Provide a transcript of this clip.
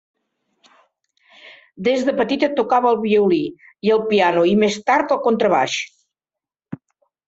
Des de petita tocava el violí i el piano i més tard el contrabaix.